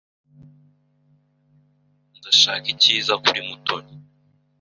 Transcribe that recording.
Ndashaka icyiza kuri Mutoni.